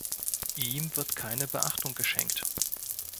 Ihm wird keine Beachtung geschenkt.